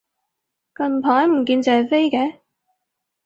近排唔見謝飛嘅